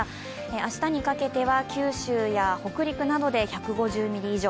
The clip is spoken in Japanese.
明日にかけては九州や北陸などで１５０ミリ以上。